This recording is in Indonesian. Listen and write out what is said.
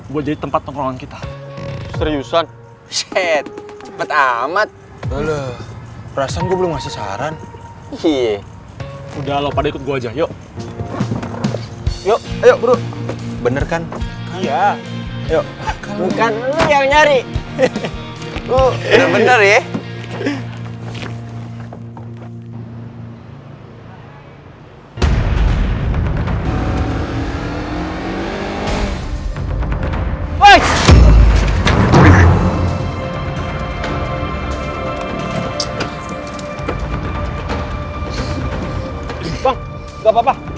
video panjang banget kayaknya